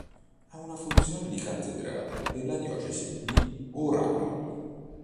Ha funzione di Cattedrale per la Diocesi di Orano.